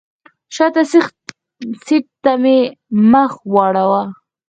شاته سیټ ته مې مخ واړوه.